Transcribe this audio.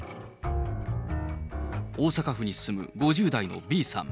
大阪府に住む５０代のＢさん。